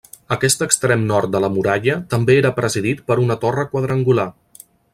Aquest extrem nord de la muralla també era presidit per una torre quadrangular.